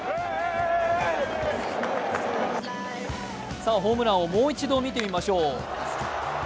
さあ、ホームランをもう一度見てみましょう。